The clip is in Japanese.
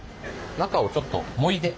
中をちょっともいで。